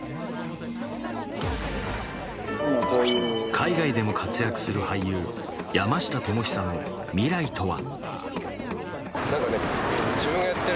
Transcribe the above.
海外でも活躍する俳優山下智久の未来とは？